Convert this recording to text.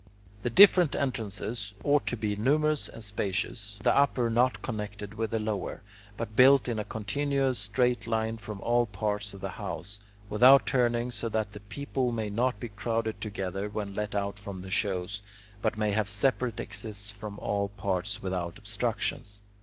The different entrances ought to be numerous and spacious, the upper not connected with the lower, but built in a continuous straight line from all parts of the house, without turnings, so that the people may not be crowded together when let out from shows, but may have separate exits from all parts without obstructions.